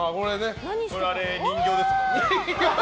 あれ、人形ですもんね。